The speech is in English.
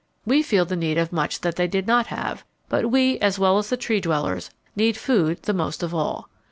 We feel the need of much that they did not have, but we, as well as the Tree dwellers, need food the most of all.